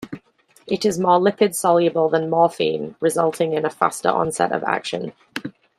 It is more lipid-soluble than morphine, resulting in a faster onset of action.